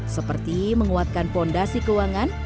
seperti menguatkan fondasi keuangan